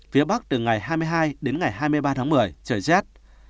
phía bắc từ ngày hai mươi hai đến ngày hai mươi ba tháng một mươi trời rét